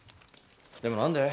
でも何で？